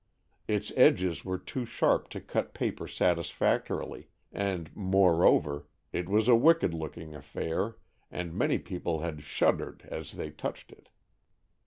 Its edges were too sharp to cut paper satisfactorily, and, moreover, it was a wicked looking affair, and many people had shuddered as they touched it.